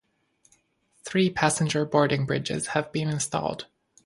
Three passenger boarding bridges have been installed.